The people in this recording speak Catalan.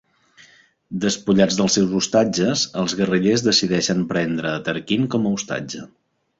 Despullats dels seus ostatges, els guerrillers decideixen prendre a Tarquin com a ostatge.